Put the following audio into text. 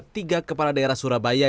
tiga kepala daerah surabaya